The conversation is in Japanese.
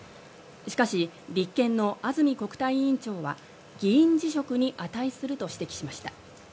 しかし、立憲の安住国対委員長は議員辞職に値すると指摘しました。